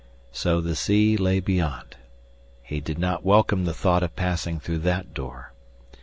So the sea lay beyond. He did not welcome the thought of passing through that door.